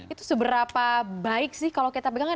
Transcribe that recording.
itu seberapa baik sih kalau kita pegangan